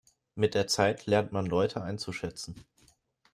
Mit der Zeit lernt man Leute einzuschätzen.